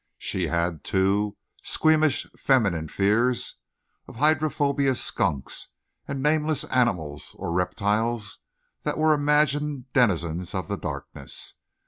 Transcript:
She had, too, squeamish feminine fears of hydrophobia skunks, and nameless animals or reptiles that were imagined denizens of the darkness.